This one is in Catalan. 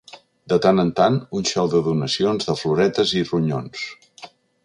De tant en tant un xou de donacions, de floretes i ronyons.